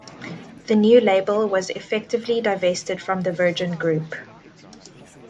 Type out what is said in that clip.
The new label was effectively divested from the Virgin Group.